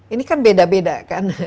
ini kan beda beda kan